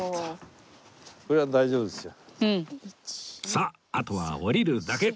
さああとは下りるだけ